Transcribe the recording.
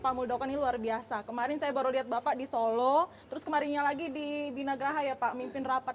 pak muldoko ini luar biasa kemarin saya baru lihat bapak di solo terus kemarinnya lagi di binagraha ya pak mimpin rapat